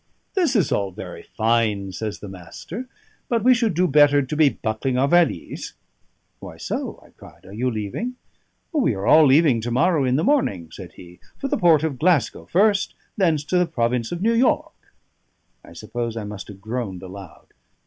"This is all very fine," says the Master, "but we should do better to be buckling our valise." "Why so?" I cried. "Are you leaving?" "We are all leaving to morrow in the morning," said he. "For the port of Glascow first, thence for the province of New York." I suppose I must have groaned aloud.